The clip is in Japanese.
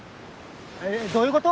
えっ？どういうこと！？